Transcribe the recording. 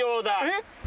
えっ？